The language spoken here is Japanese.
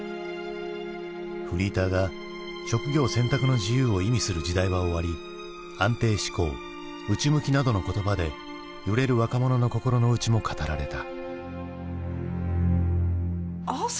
フリーターが職業選択の自由を意味する時代は終わり安定志向内向きなどの言葉で揺れる若者の心の内も語られた。